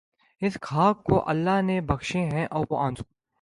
اس خاک کو اللہ نے بخشے ہیں وہ آنسو